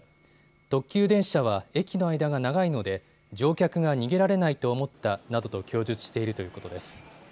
特急電車は駅の間が長いので乗客が逃げられないと思ったなどと供述しているということです。